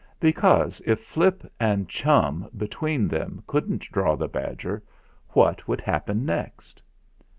Because, if Flip and Chum between them couldn't draw the badger, what would happen next